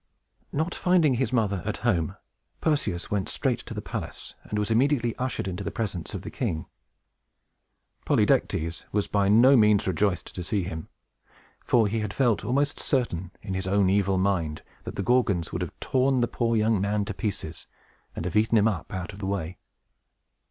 Not finding his mother at home, Perseus went straight to the palace, and was immediately ushered into the presence of the king. Polydectes was by no means rejoiced to see him; for he had felt almost certain, in his own evil mind, that the Gorgons would have torn the poor young man to pieces, and have eaten him up, out of the way.